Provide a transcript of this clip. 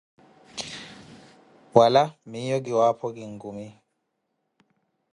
Wala, miyo ki waapho, ki nkumi.